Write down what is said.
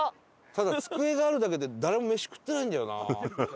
ただ机があるだけで誰も飯食ってないんだよな。